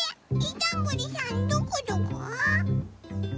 どんぐりさんどこどこ？